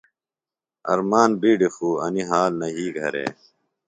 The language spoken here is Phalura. ارمان بِیڈیۡ خُوۡ انیۡ حال نہ یھی گھرے۔